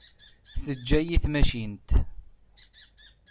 Teǧǧa-yi tmacint.